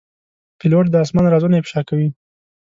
پیلوټ د آسمان رازونه افشا کوي.